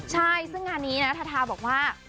ใช่ซึ่งงานนี้นะทาทาบอกว่า